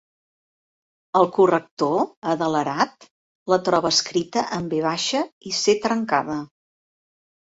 El corrector, adelerat, la troba escrita amb be baixa i ce trencada.